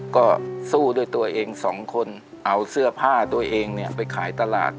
ก็สู้ด้วยตัวเองสองคนเอาเสื้อผ้าตัวเองเนี่ยไปขายตลาด